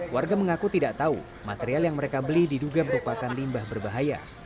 warga mengaku tidak tahu material yang mereka beli diduga merupakan limbah berbahaya